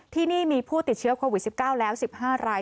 ที่นี่มีผู้ติดเชื้อโควิด๑๙แล้ว๑๕ราย